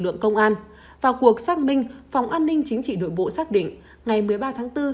lượng công an vào cuộc xác minh phòng an ninh chính trị nội bộ xác định ngày một mươi ba tháng bốn